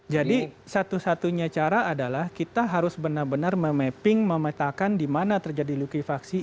jadi satu satunya cara adalah kita harus benar benar memapping memetakan di mana terjadi lukifaksi